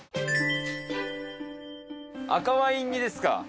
赤ワイン煮ですか！